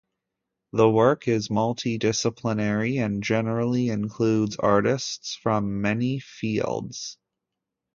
The work is multi-disciplinary and generally includes artists from many fields.